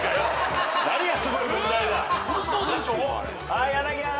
はい柳原。